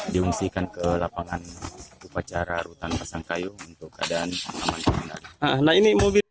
diungsikan ke lapangan upacara rutan pasangkayu untuk keadaan aman